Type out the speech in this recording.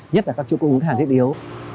nhất là các chuỗi cung ứng hàng thiết yếu